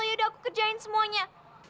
yaudah aku kerjain semuanya